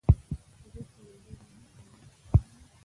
غشی یو ډیر مهم او لوی اختراع و.